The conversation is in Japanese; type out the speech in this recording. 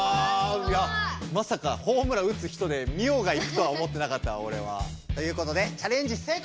いやまさかホームラン打つ人でミオが行くとは思ってなかったおれは。ということでチャレンジ成功！